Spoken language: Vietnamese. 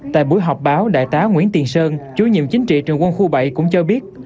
tại buổi họp báo đại tá nguyễn tiền sơn chú nhiệm chính trị trường quân khu bảy cũng cho biết